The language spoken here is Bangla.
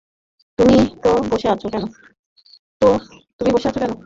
তো, তুমি বসে আছো কেন?